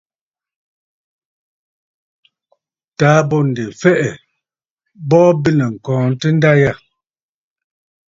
Taà bô ǹdè fɛʼɛ, bɔɔ bênə̀ ŋ̀kɔɔntə nda yâ.